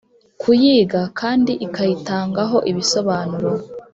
kuyiga kandi ikayitangaho ibisobanuro